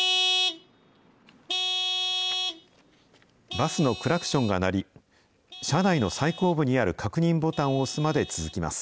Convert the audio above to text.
バスのクラクションが鳴り、車内の最後部にある確認ボタンを押すまで続きます。